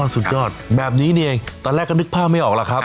สุดยอดแบบนี้นี่เองตอนแรกก็นึกภาพไม่ออกแล้วครับ